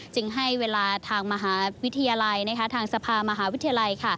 ให้เวลาทางมหาวิทยาลัยทางสภามหาวิทยาลัย